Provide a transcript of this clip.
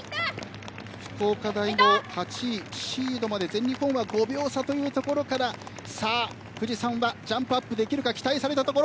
福岡大も８位シードまで全日本は５秒差というところから富士山でジャンプアップできるか期待されるところ。